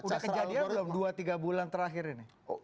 sudah kejadian belum dua tiga bulan terakhir ini